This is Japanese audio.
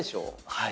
はい。